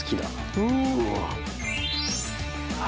・うわ！